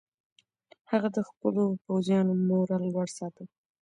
هغه د خپلو پوځیانو مورال لوړ ساته.